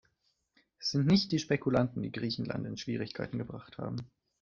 Es sind nicht die Spekulanten, die Griechenland in Schwierigkeiten gebracht haben.